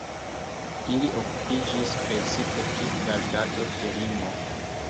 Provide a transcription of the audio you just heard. Ili okupiĝis precipe pri gardado de limo.